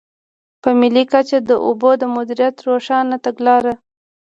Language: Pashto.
په ملي کچه د اوبو د مدیریت روښانه تګلاره.